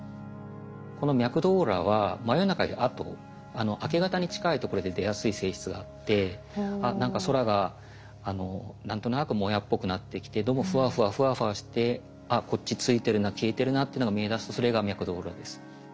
この脈動オーロラは真夜中よりあと明け方に近いところで出やすい性質があって「あっ何か空が何となくもやっぽくなってきてどうもふわふわふわふわしてあっこっちついてるな消えてるな」っていうのが見えだすとそれが脈動オーロラです。